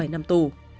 bảy năm tù